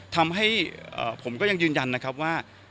ทำให้ผมก็ยังยืนยันนะครับว่า